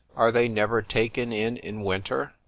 ——Are they never taken in in winter?